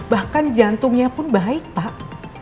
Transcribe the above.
bahkan jantungnya pun baik pak